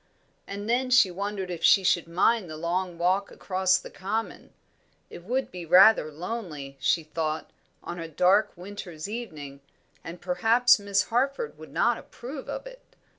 And then she wondered if she should mind the long walk across the common; it would be rather lonely, she thought, on a dark winter's evening, and perhaps Miss Harford would not approve of it.